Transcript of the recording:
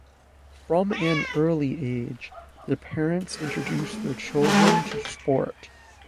From an early age, the parents introduced their children to sport.